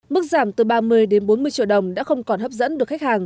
mức giảm từ ba mươi đến bốn mươi triệu đồng đã không kết thúc